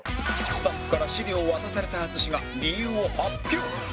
スタッフから資料を渡された淳が理由を発表